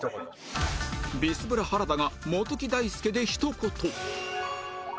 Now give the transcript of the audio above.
ビスブラ原田が元木大介で一言